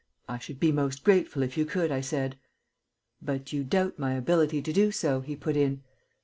"I should be most grateful if you could," I said. "But you doubt my ability to do so?" he put in.